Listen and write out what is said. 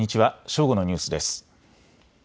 正午のニュースです。